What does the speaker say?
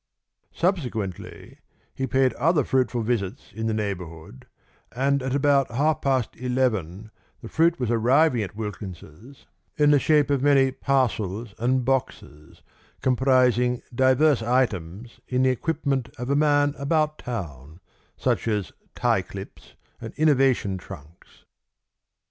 Subsequently he paid other fruitful visits in the neighbourhood, and at about half past eleven the fruit was arriving at Wilkins's in the shape of many parcels and boxes, comprising diverse items in the equipment of a man about town, such as tie clips and Innovation trunks.